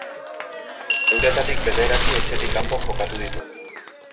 Euretatik bederatzi etxetik kanpo jokatu ditu.